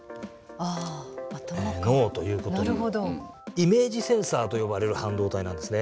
イメージセンサーと呼ばれる半導体なんですね。